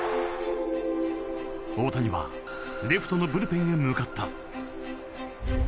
大谷はレフトのブルペンへ向かった。